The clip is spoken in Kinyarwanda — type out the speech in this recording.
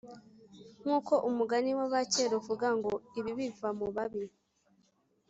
Nk’uko umugani w’abakera uvuga ngo ‘Ibibi biva mu babi’